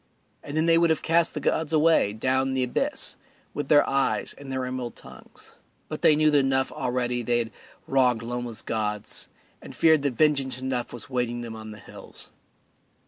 And then they would have cast the gods away, down the abyss, with their eyes and their emerald tongues, but they knew that enough already they had wronged Loma's gods, and feared that vengeance enough was waiting them on the hills.